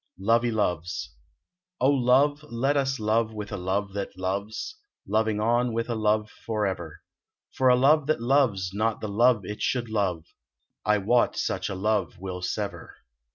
LOVEY LOVES ( )li, love, let us love with a love that loves, Loving on with a love forever ; For a love that loves not the love it should love 1 wot such a love will sever.